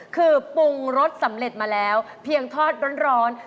คือปรุงรสสำเร็จมาแล้วเพียงทอดร้อน